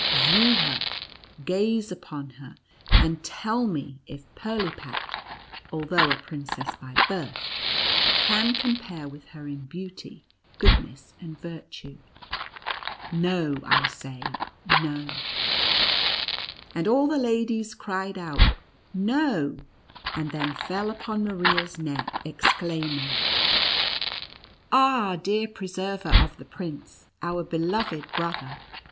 View her — gaze upon her, and tell me, if Pirlipat, although a princess by birth, can compare with her in beauty, goodness, and virtue ? No, I say no I" And all the ladies cried out " No !" and then fell upon Maria's neck, exclaiming: "Ah, 126 NUTCRACKER AKD MOUSE KXN"G. clear preserver of the prince, our beloved brother